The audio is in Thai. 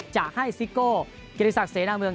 จะให้ซิโก้เกรียรษักเสนางเมือง